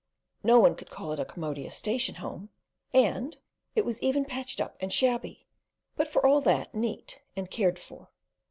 No one could call it a "commodious station home," and it was even patched up and shabby; but, for all that, neat and cared for.